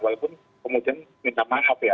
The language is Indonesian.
walaupun kemudian minta maaf ya